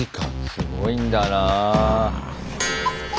すごいんだな。